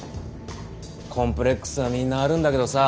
コンプレックスはみんなあるんだけどさ